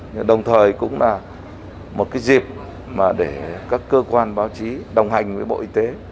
nhưng đồng thời cũng là một cái dịp mà để các cơ quan báo chí đồng hành với bộ y tế